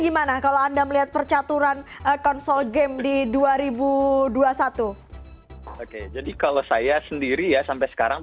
gimana kalau anda melihat percaturan konsol game di dua ribu dua puluh satu oke jadi kalau saya sendiri ya sampai sekarang